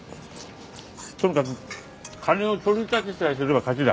とにかく金を取り立てさえすれば勝ちだ。